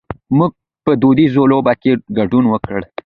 مونږ په دودیزو لوبو کې ګډون وکړ.